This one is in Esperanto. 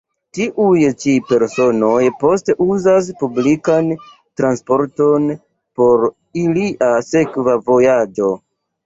Tiuj ĉi personoj poste uzas publikan transporton por ilia sekva vojaĝo.